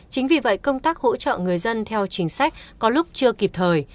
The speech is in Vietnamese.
chính vì vậy công tác hỗ trợ người dân theo chính sách có lúc chưa kịp thời